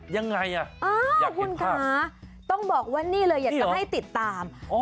ยังไงอยากเห็นภาพต้องบอกว่านี่เลยอยากจะให้ติดตาม